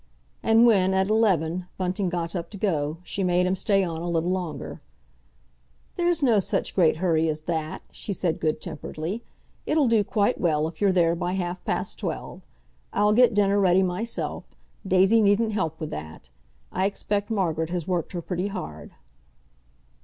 And when, at eleven, Bunting got up to go, she made him stay on a little longer. "There's no such great hurry as that," she said good temperedly. "It'll do quite well if you're there by half past twelve. I'll get dinner ready myself. Daisy needn't help with that. I expect Margaret has worked her pretty hard."